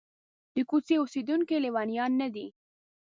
د کوڅې اوسېدونکي لېونیان نه دي.